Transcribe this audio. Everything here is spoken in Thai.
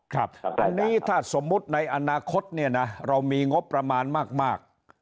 ครับอันนี้ถ้าสมมุติในอนาคตเนี่ยนะเรามีงบประมาณมาก